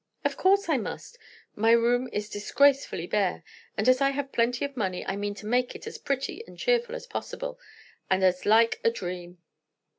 "Of course I must. My room is disgracefully bare; and as I have plenty of money I mean to make it as pretty and cheerful as possible, and as like a dream."